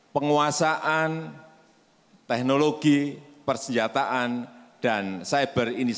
penguasaan teknologi persenjataan dan cyber inisia